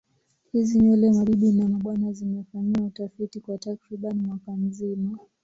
Hizi nywele mabibi na mabwana zimefanyiwa utafiti kwa takriban mwaka mzima